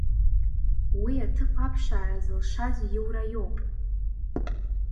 Уи аҭыԥ аԥшаара зылшаз Иура иоуп.